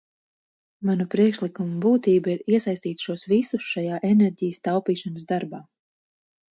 Manu priekšlikumu būtība ir iesaistīt šos visus šajā enerģijas taupīšanas darbā.